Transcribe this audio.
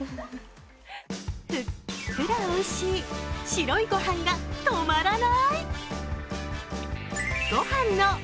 ふっくらおいしい白い御飯が止まらない。